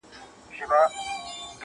د غزلونو ربابونو مېنه.!